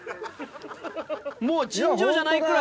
もう。